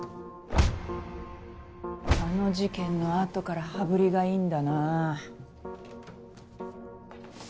あの事件のあとから羽振りがいいんだな。